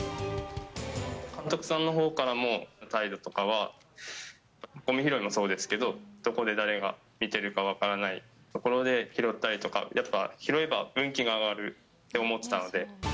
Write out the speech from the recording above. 監督さんのほうからも、態度とかはごみ拾いもそうですけど、どこで誰が見てるか分からない所で拾ったりとか、やっぱ拾えば運気が上がるって思ってたので。